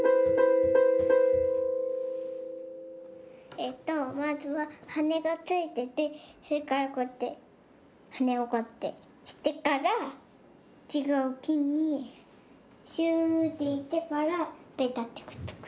えっとまずははねがついててそれからこうやってはねをこうやってしてからちがうきにシューッていってからベタッてくっつく。